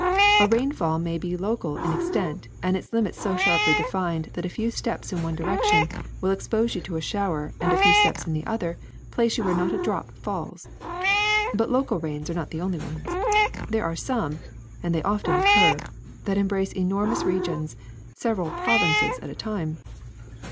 A rainfall may be local in ex tent and its limits so sharply defined that a few steps in one direction will expose you to a shower and a few steps in the other place you where not a drop falls. But local rains are not the only ones. There are some — and they often occur — that embrace enor mous regions, several provinces at a time.